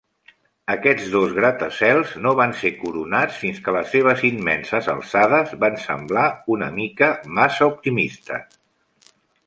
Aquests dos gratacels no van ser coronats fins que les seves immenses alçades van semblar una mica massa optimistes.